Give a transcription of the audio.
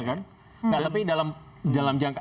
nggak tapi dalam jangka